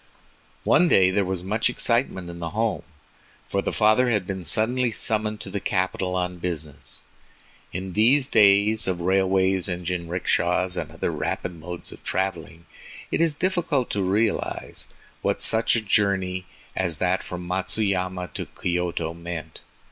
One day there was much excitement in the home, for the father had been suddenly summoned to the capital on business. In these days of railways and jinrickshas and other rapid modes of traveling, it is difficult to realize what such a journey as that from Matsuyama to Kyoto meant.